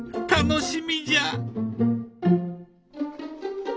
楽しみじゃ！